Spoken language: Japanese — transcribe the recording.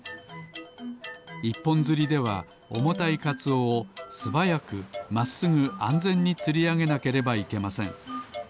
１ぽんづりではおもたいかつおをすばやくまっすぐあんぜんにつりあげなければいけません。